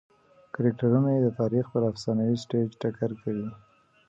کرکټرونه یې د تاریخ پر افسانوي سټېج ټکر کوي.